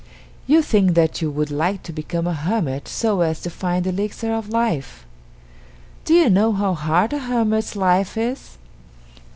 You think that you would like to become a hermit so as to find the Elixir of Life. Do you know how hard a hermit's life is?